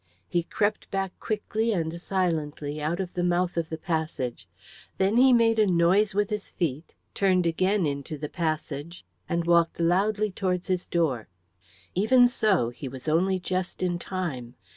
He crept back quickly and silently out of the mouth of the passage, then he made a noise with his feet, turned again into the passage, and walked loudly towards his door. Even so he was only just in time.